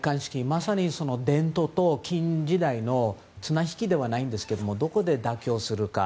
まさに伝統と近時代の綱引きではないんですけどどこで妥協するか。